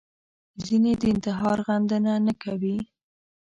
ځینې د انتحار غندنه نه کوي